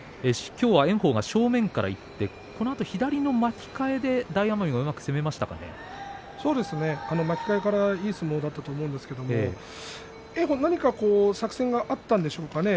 今日は炎鵬が正面からいってこのあと左の巻き替えで巻き替えからいい相撲だったと思うんですが炎鵬は何か作戦があったんでしょうかね。